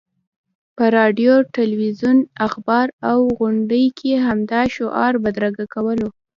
په راډیو، تلویزیون، اخبار او غونډو کې همدا شعار بدرګه کېدلو.